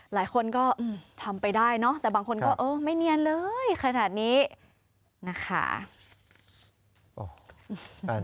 หลายคนก็ทำไปได้เนอะแต่บางคนก็เออไม่เนียนเลยขนาดนี้นะคะ